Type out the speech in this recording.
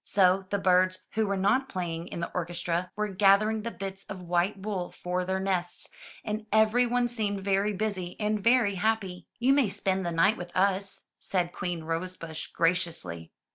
So the birds who were not playing in the orchestra were gathering the bits of white wool for their nests, and every one seemed very busy and very happy. '*You may spend the night with us,'* said Queen Rosebush graciously.